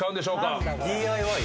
ＤＩＹ？